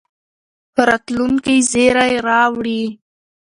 راتلونکي زېری راوړي.